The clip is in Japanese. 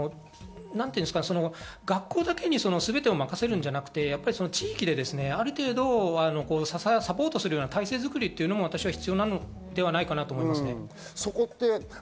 学校だけに全てを任せるんじゃなくて地域である程度サポートするような体制づくりが私は必要かなと思います。